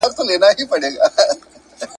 دومره ستړی سو چي ځان ورڅخه هېر سو ,